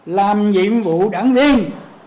làm nhiệm vụ đảng viên